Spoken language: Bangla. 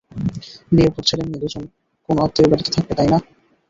বিয়ের পর ছেলেমেয়ে দুজন কোন আত্নীয়ের বাড়িতে থাকবে, তাই না?